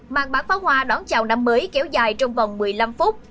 mạng bắn phá hoa đón chào năm mới kéo dài trong vòng một mươi năm phút